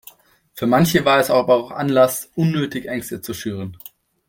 Für manche war es aber auch Anlass, unnötig Ängste zu schüren.